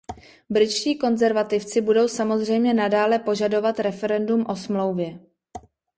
Britští konzervativci budou samozřejmě nadále požadovat referendum o Smlouvě.